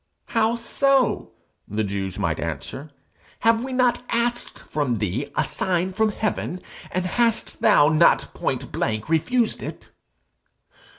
'How so?' the Jews might answer. 'Have we not asked from thee a sign from heaven, and hast thou not pointblank refused it?'